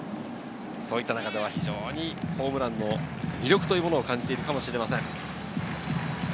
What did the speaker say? そういった中で非常にホームランの魅力を感じているかもしれません。